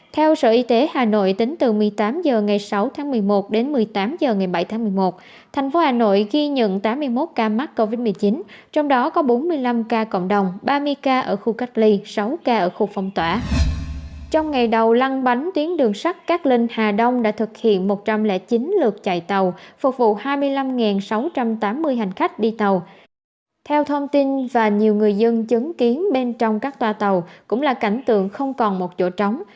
theo thông tin và nhiều người dân chứng kiến bên trong các toa tàu cũng là cảnh tượng không còn một chỗ trống